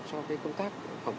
phòng chống tích khác